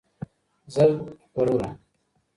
زرغروره